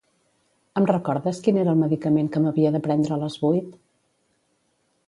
Em recordes quin era el medicament que m'havia de prendre a les vuit?